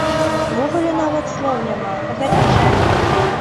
Увогуле, нават словаў няма, гэта жах!